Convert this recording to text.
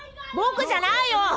僕じゃないよ！